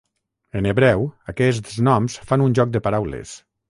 En hebreu, aquests noms fan un joc de paraules.